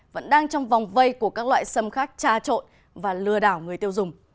vẫn đang trong vòng vây của các loại xâm khác tra trội và lừa đảo người tiêu dùng